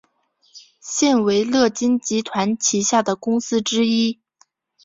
现为乐金集团旗下的公司之一。